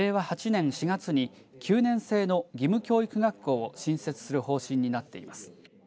８年４月に９年制の義務教育学校を新設する方針になっています。